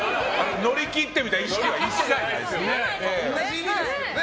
乗り切っていく意識は一切ないです！